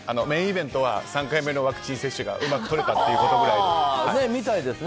メインイベントは３回目のワクチン接種がうまく取れたということぐらい。